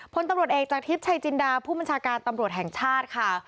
พลตำรวจเอกจากทิพย์ชัยจินดาผู้บัญชาการตำรวจแห่งชาติค่ะ